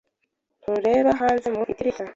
Ntureba hanze mu idirishya.